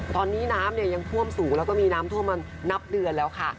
ตอนนี้น้ำเนี่ยยังท่วมสูงแล้วก็มีน้ำท่วมมานับเดือนแล้วค่ะ